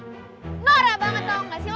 ih nora banget tau gak sih lo